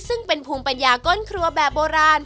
ซึ่งเป็นภูมิปัญญาก้นครัวแบบโบราณ